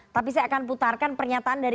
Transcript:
tapi saya akan putarkan pernyataan dari